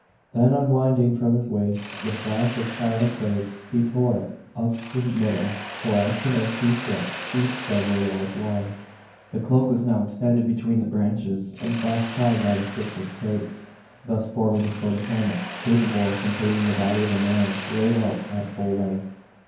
Then unwinding from his waist the sash of china crape, he tore it up the middle, so as to make two strips, each several yards long. The cloak was now extended between the branches, and fast tied by the strips of crape thus forming a sort of hammock capable of containing the body of a man laid out at full length.